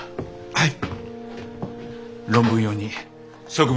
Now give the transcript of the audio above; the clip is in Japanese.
はい！